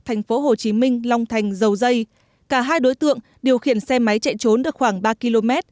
thành phố hồ chí minh long thành dầu dây cả hai đối tượng điều khiển xe máy chạy trốn được khoảng ba km